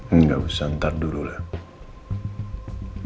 enggak usah ntar dulu nen